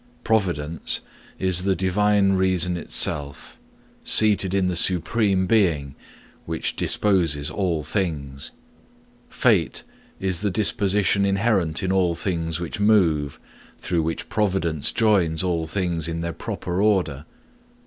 Providence is the Divine reason itself, seated in the Supreme Being, which disposes all things; fate is the disposition inherent in all things which move, through which providence joins all things in their proper order.